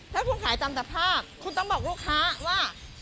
ถ้าคุณขายตามสภาพคุณต้องบอกลูกค้าว่า